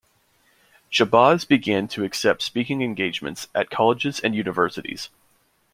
Shabazz began to accept speaking engagements at colleges and universities.